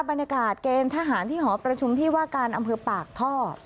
บรรยากาศเกณฑ์ทหารที่หอประชุมที่ว่าการอำเภอปากท่อ